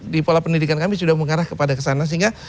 di pola pendidikan kami sudah mengarah kepada kesana sehingga